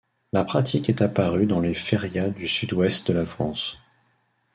La pratique est apparue dans les férias du sudouest de la France.